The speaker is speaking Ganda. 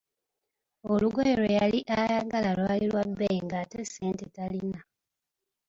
Olugoye lwe yali ayagala lwali lwa bbeeyi nga ate ssente talina.